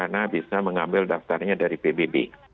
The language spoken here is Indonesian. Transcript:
dan juga bisa mengambil daftarnya dari pbb